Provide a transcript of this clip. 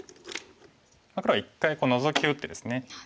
黒は一回ノゾキを打ってですね